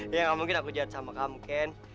ya gak mungkin aku jat sama kamu ken